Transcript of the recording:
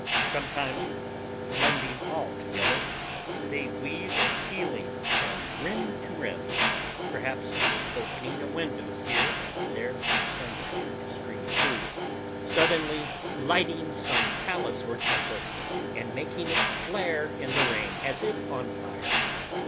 Sometimes, blending all together, they weave a ceiling from rim to rim, perhaps opening a window here and there for sunshine to stream through, suddenly lighting some palace or temple and making it flare in the rain as if on fire.